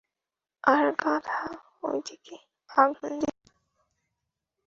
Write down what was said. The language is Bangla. আর গাধা, ওদিকে আগুন দে!